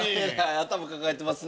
頭抱えてますね。